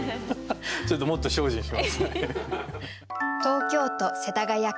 ちょっともっと精進します。